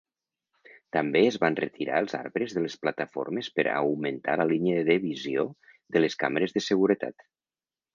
També es van retirar els arbres de les plataformes per a augmentar la línia de visió de les càmeres de seguretat.